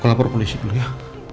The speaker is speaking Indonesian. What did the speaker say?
aku lapor polisi dulu ya